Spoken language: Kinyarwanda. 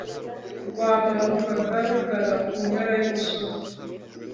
rwamanukaga rugana ku mpera y'umusozi